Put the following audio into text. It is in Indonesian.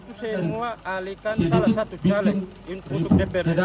itu semua alihkan salah satu caleg untuk dprd